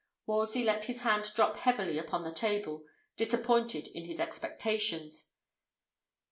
Wolsey let his hand drop heavily upon the table, disappointed in his expectations.